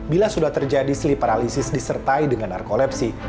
bila sudah terjadi sleep paralysis disertai dengan narkolepsi